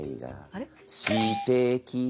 あれ？